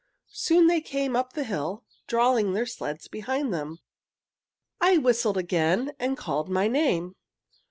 "Soon they came up the hill, drawing their sleds behind them. I whistled again and called my name.